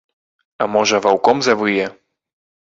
А можа, ваўком завые?